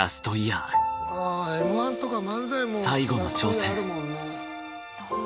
最後の挑戦。